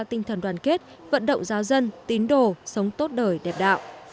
tinh thần đoàn kết vận động giáo dân tín đồ sống tốt đời đẹp đạo